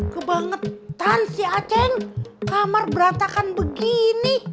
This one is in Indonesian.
kebangetan si aceh kamar berantakan begini